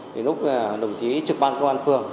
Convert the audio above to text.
lúc đồng chí trực ban công an phường